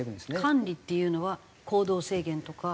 管理っていうのは行動制限とか？